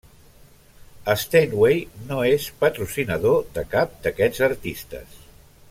Steinway no és patrocinador de cap d'aquests artistes.